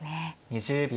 ２０秒。